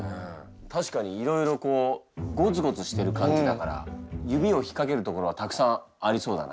確かにいろいろこうゴツゴツしてる感じだから指を引っかける所はたくさんありそうだな。